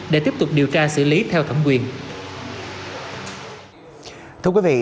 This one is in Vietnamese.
để tiếp tục điều tra xử lý theo thẩm quyền